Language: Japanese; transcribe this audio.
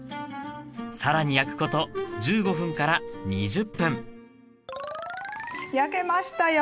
更に焼くこと１５分２０分焼けましたよ。